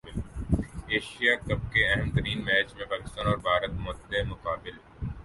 Asia Cup کے اہم ترین میچ میں پاکستان اور بھارت مد مقابل